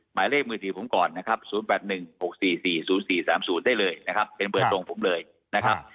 หมายเลขมือถือผมก่อนนะครับ๐๘๑๖๔๔๐๔๓๐ได้เลยนะครับเป็นเบอร์ตรงผมเลยนะครับ